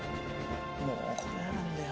もうこれがやなんだよ。